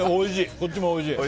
こっちもおいしい。